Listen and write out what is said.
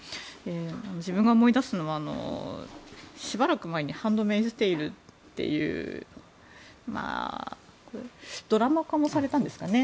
自分が思い出すのはしばらく前に「ハンドメイズテール」というドラマ化もされたんですかね